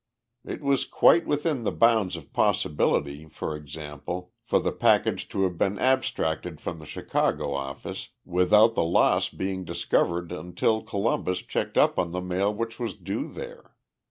It was quite within the bounds of possibility, for example, for the package to have been abstracted from the Chicago office without the loss being discovered until Columbus checked up on the mail which was due there.